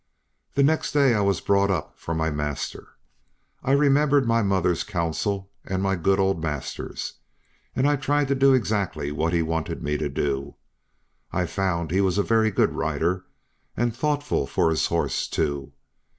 The next day I was brought up for my master. I remembered my mother's counsel and my good old master's, and I tried to do exactly what he wanted me to do. I found he was a very good rider, and thoughtful for his horse, too.